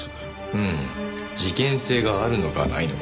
うん事件性があるのかないのか。